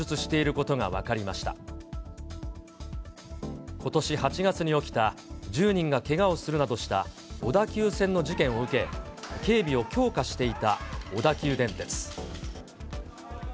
ことし８月に起きた、１０人がけがをするなどした小田急線の事件を受け、警備を強化していた小田急電鉄。